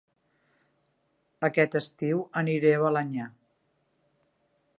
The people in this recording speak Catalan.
Aquest estiu aniré a Balenyà